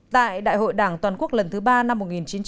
tại đại hội đảng toàn quốc lần thứ ba năm một nghìn chín trăm sáu mươi